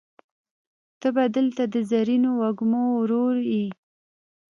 ته به دلته د زرینو وږمو ورور یې